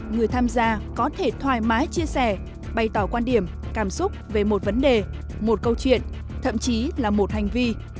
người tham gia có thể thoải mái chia sẻ bày tỏ quan điểm cảm xúc về một vấn đề một câu chuyện thậm chí là một hành vi